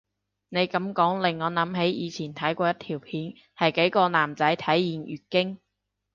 你噉講令我諗起以前睇過一條片係幾個男仔體驗月經